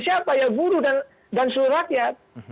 siapa ya guru dan seluruh rakyat